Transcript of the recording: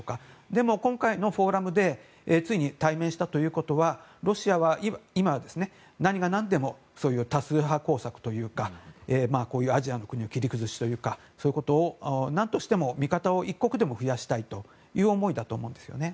でも今回のフォーラムでついに対面したということはロシアは今は何が何でも多数派工作というかこういうアジアの国の切り崩しというかそういうことを何としても味方を一国でも増やしたいという思いだと思うんですよね